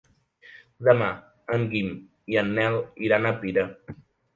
Demà en Guim i en Nel iran a Pira.